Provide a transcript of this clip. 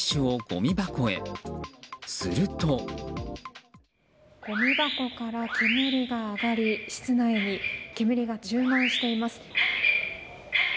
ごみ箱から煙が上がり室内に煙が充満しています。